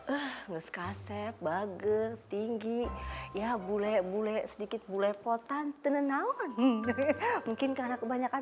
eh nges kaset bager tinggi ya bule bule sedikit bulepotan tenen naon mungkin karena kebanyakan